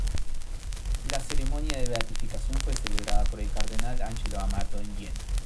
La ceremonia de beatificación fue celebrada por el cardenal Angelo Amato en Viena.